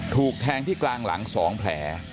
ถูกแทงที่กลางหลัง๒แผล